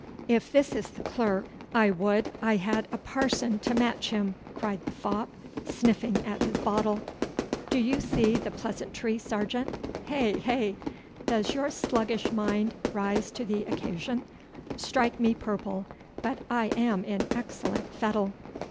'If this is the clerk I would I had a parson to match him,' cried the fop, sniffing at his bottle. 'Do you see the pleasantry, sergeant. Heh, heh! Does your sluggish mind rise to the occasion? Strike me purple, but I am in excellent fettle!